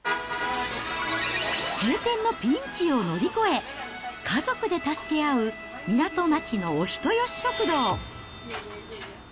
閉店のピンチを乗り越え、家族で助け合う港町のお人よし食堂。